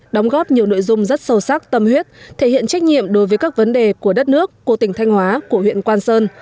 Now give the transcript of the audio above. đóng góp nhiều nội dung rất sâu sắc tâm huyết thể hiện trách nhiệm đối với các vấn đề của đất nước của tỉnh thanh hóa của huyện quang sơn